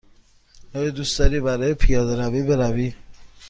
آیا دوست داری برای پیاده روی بروی؟